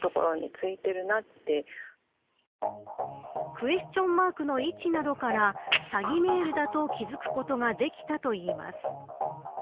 クエスチョンマークの位置などから詐欺メールだと気付くことができたといいます。